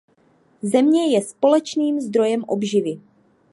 Země je společným zdrojem obživy.